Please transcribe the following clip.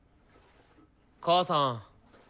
母さん。